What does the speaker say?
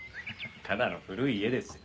ただの古い家ですよ。